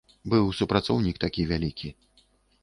Быў супрацоўнік такі вялікі.